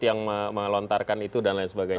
yang melontarkan itu dan lain sebagainya